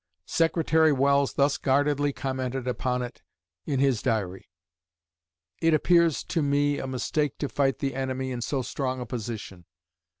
Secretary Welles thus guardedly commented upon it in his Diary: "It appears to me a mistake to fight the enemy in so strong a position.